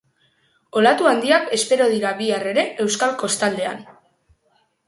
Olatu handiak espero dira bihar ere euskal kostaldean.